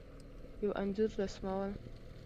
یو انځور رسمول